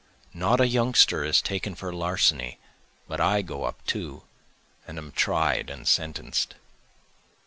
Not a youngster is taken for larceny but I go up too, and am tried and sentenced.